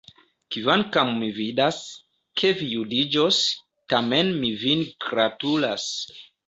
Kvankam mi vidas, ke vi judiĝos, tamen mi vin gratulas.